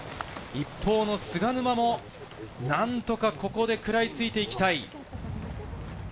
一方の菅沼も何とかここでくらいついていきたい。